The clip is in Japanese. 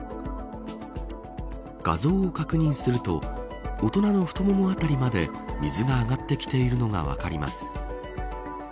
画像を確認すると大人の太もも辺りまで水が上がってきているのが分かります。